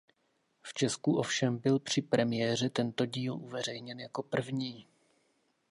V Česku ovšem byl při premiéře tento díl uveřejněn jako první.